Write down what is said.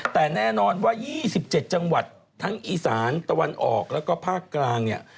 แต่แน่นอนว่า๒๗จังหวัดทั้งอีสานตะวันออกแล้วก็ภาคกลางเนี่ย